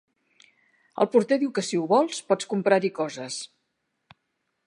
El porter diu que si ho vols, pots comprar-hi coses.